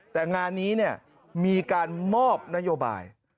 แต่งานนี้มีการมอบนโยบาย